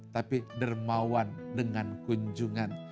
tapi dermawan dengan kunjungan